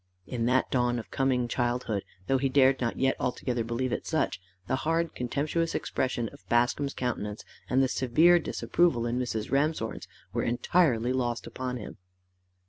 In that dawn of coming childhood, though he dared not yet altogether believe it such, the hard contemptuous expression of Bascombe's countenance, and the severe disapproval in Mrs. Ramshorn's, were entirely lost upon him.